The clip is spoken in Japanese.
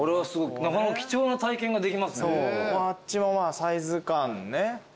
あっちサイズ感ね。